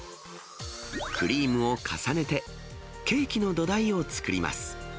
クリームを重ねて、ケーキの土台を作ります。